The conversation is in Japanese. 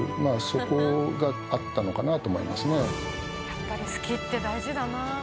やっぱり好きって大事だな。